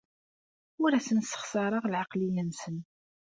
Ur asen-ssexṣareɣ lɛeqleyya-nsen.